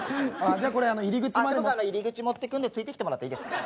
じゃあ僕入り口持っていくんでついてきてもらっていいですか？